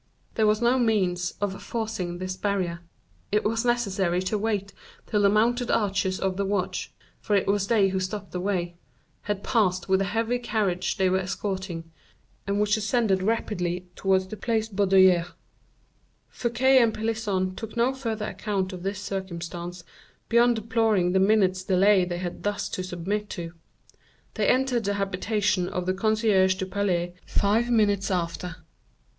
There was no means of forcing this barrier; it was necessary to wait till the mounted archers of the watch, for it was they who stopped the way, had passed with the heavy carriage they were escorting, and which ascended rapidly towards the Place Baudoyer. Fouquet and Pelisson took no further account of this circumstance beyond deploring the minute's delay they had thus to submit to. They entered the habitation of the concierge du Palais five minutes after.